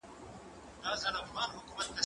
هغه څوک چي شګه پاکوي منظم وي؟!